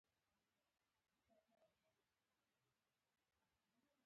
سټارلینک انټرنېټ له فضا شه سم کار کوي.